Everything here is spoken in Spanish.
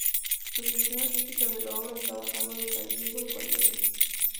La dirección artística de la obra estaba a cargo de Fray Diego de Valverde.